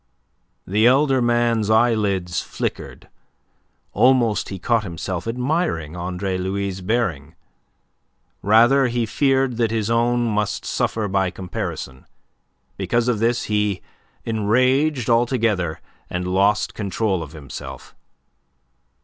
The elder man's eyelids flickered. Almost he caught himself admiring Andre Louis' bearing. Rather, he feared that his own must suffer by comparison. Because of this, he enraged altogether, and lost control of himself.